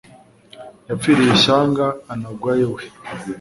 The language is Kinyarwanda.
yapfiriye ishyanga anagwayo we